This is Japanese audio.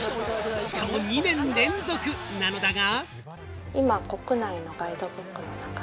しかも２年連続なのだが。